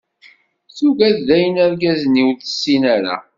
Tuggad daɣen argaz-nni ur tessin ara.